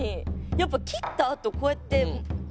やっぱ切ったあとこうやって。